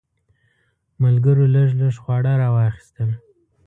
ملګرو لږ لږ خواړه راواخیستل.